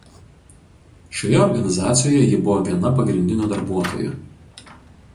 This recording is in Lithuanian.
Šioje organizacijoje ji buvo viena pagrindinių darbuotojų.